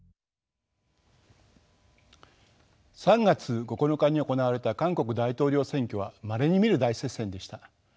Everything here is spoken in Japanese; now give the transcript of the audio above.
３月９日に行われた韓国大統領選挙はまれに見る大接戦でした。